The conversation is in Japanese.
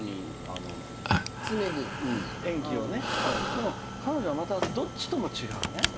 でも彼女はどっちとも違うね。